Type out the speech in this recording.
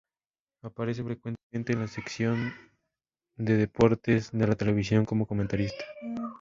Aparece frecuentemente en la sección de deportes de la televisión como comentarista.